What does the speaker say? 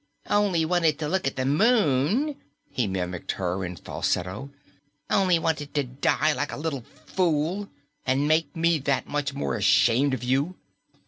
"Only wanted to look at the Moon!" he mimicked her in falsetto. "Only wanted to die like a little fool and make me that much more ashamed of you!"